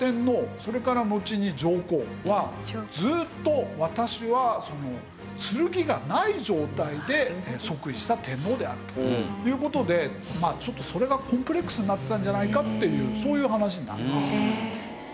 それからのちに上皇はずっと私は剣がない状態で即位した天皇であるという事でちょっとそれがコンプレックスになってたんじゃないかっていうそういう話になります。